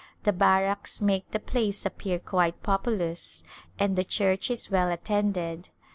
The barracks make the place appear quite populous, and the church is well attended.